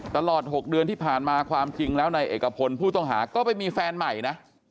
ตลอด๖เดือนที่ผ่านมาความจริงแล้วนายเอกพลผู้ต้องหาก็ไปมีแฟนใหม่นะ